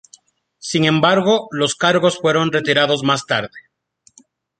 Sin embargo, los cargos fueron retirados más tarde.